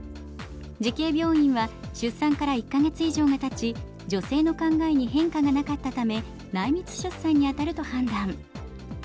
慈恵病院は出産から１カ月以上がたち、女性の考えに変化がなかったため、内密出産に当たると判断。